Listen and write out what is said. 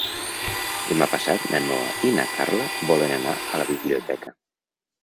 Demà passat na Noa i na Carla volen anar a la biblioteca.